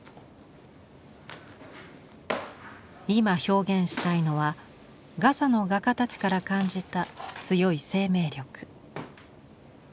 今表現したいのはガザの画家たちから感じた強い生命力。